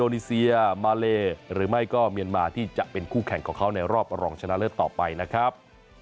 นีเซียมาเลหรือไม่ก็เมียนมาที่จะเป็นคู่แข่งของเขาในรอบรองชนะเลิศต่อไปนะครับ